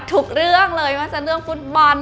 เรื่องเลยว่าจะเรื่องฟุตบอล